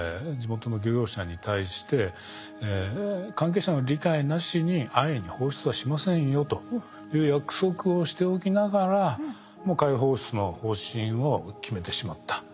地元の漁業者に対して関係者の理解なしに安易に放出はしませんよという約束をしておきながらも海洋放出の方針を決めてしまった。